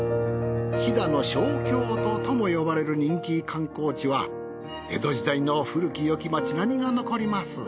飛騨の小京都とも呼ばれる人気観光地は江戸時代の古きよき町並みが残ります。